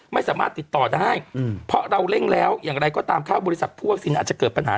ไม่สามารถติดต่อได้เพราะเราเร่งแล้วอย่างไรก็ตามเข้าบริษัทพวกวัคซีนอาจจะเกิดปัญหา